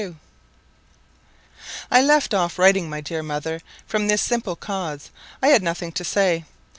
I LEFT off writing, my dear mother, from this simple cause; I had nothing to say.